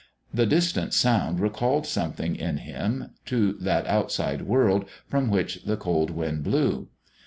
The distant sound recalled something in him to that outside world from which the cold wind blew.